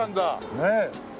ねえ。